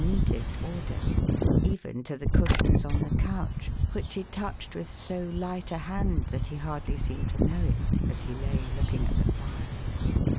neatest order; even to the cushions on the couch, which she touched with so light a hand, that he hardly seemed to know it, as he lay looking at the fire.